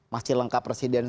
masih lengkap presiden